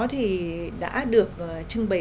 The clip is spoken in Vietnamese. thì đã được trưng bày